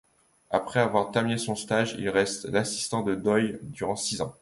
Après avoir terminé son stage, il reste l'assistant de Doyle durant six ans.